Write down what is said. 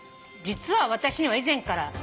「実は私には以前から」